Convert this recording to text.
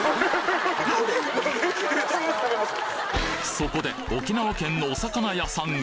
そこで沖縄県のお魚屋さんへ。